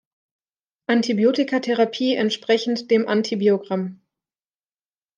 Antibiotikatherapie entsprechend dem Antibiogramm.